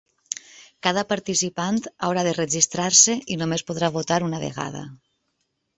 Cada participant haurà de registrar-se i només podrà votar una vegada.